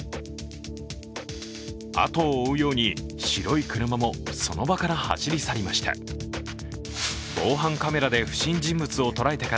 後を追うように、白い車もその場から走り去りました。